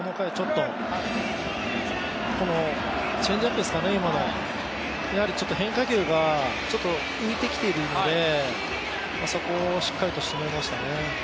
チェンジアップでしたかね、変化球が浮いてきているので、そこをしっかりとしとめましたね。